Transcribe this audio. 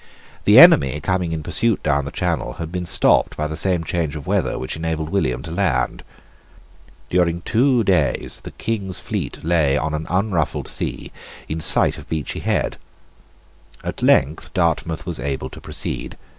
The enemy coming in pursuit down the Channel had been stopped by the same change of weather which enabled William to land. During two days the King's fleet lay on an unruffled sea in sight of Beachy Head. At length Dartmouth was able to proceed.